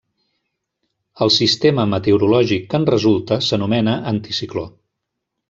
El sistema meteorològic que en resulta s'anomena anticicló.